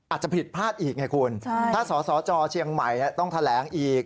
อาจจะผิดพลาดอีกไงคุณถ้าสสจเชียงใหม่ต้องแถลงอีก